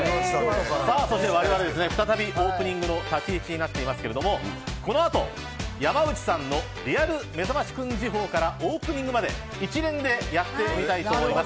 さあ、そしてわれわれ再びオープニングの立ち位置になっていますけれどもこの後山内さんのリアルめざましくん時報からオープニングまで一連でやってみたいと思います。